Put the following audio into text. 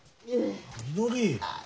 みのり。